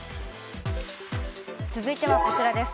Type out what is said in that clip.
続いてはこちらです。